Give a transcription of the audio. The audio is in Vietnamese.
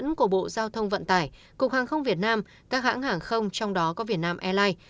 tổng cổ bộ giao thông vận tải cục hàng không việt nam các hãng hàng không trong đó có việt nam airline